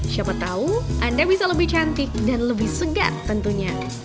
siapa tahu anda bisa lebih cantik dan lebih segar tentunya